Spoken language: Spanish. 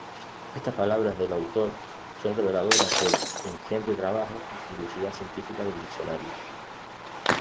Estas palabras del autor son reveladoras del ingente trabajo y curiosidad científica del diccionario.